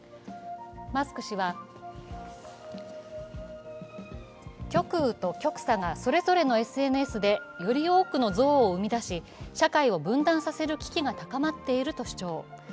マスク氏は極右と極左がそれぞれのＳＮＳでより多くの憎悪を生み出し社会を分断させる危機が高まっていると主張。